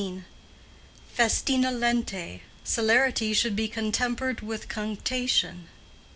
"Festina lente—celerity should be contempered with cunctation."